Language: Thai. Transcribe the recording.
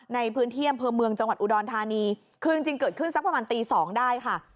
ในพื้นที่อำเภอเมืองจังหวัดอุดรธานีคือจริงจริงเกิดขึ้นสักประมาณตีสองได้ค่ะ